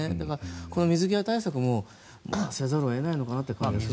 こういう水際対策もせざるを得ないのかなという気もします。